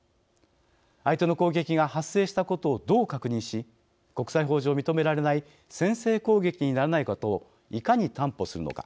相手の攻撃が発生したことをどう確認し、国際法上認められない先制攻撃にならないことをいかに担保するのか。